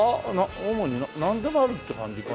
主になんでもあるって感じかな？